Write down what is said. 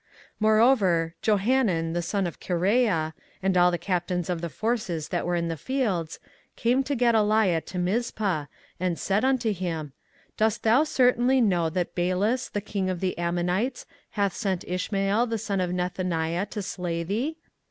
24:040:013 Moreover Johanan the son of Kareah, and all the captains of the forces that were in the fields, came to Gedaliah to Mizpah, 24:040:014 And said unto him, Dost thou certainly know that Baalis the king of the Ammonites hath sent Ishmael the son of Nethaniah to slay thee?